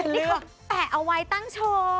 ที่เขาแปะเอาไว้ตั้งโชว์